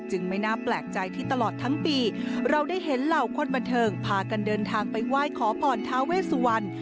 ไม่น่าแปลกใจที่ตลอดทั้งปีเราได้เห็นเหล่าคนบันเทิงพากันเดินทางไปไหว้ขอพรทาเวสวัน